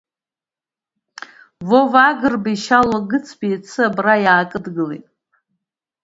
Вова Агырбеи Шьалуа Гыцбеи иацы абра иаакыдгылеит.